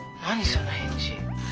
その返事。